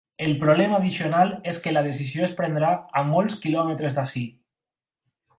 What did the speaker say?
El problema addicional és que la decisió es prendrà a molts quilòmetres d’aquí.